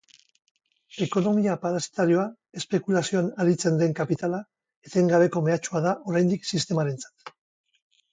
Ekonomia parasitarioa, espekulazioan aritzen den kapitala, etengabeko mehatxua da oraindik sistemarentzat.